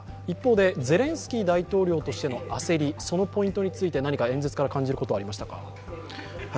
一方でゼレンスキー大統領の焦り、そのポイントについて何か演説から感じることはありましたか。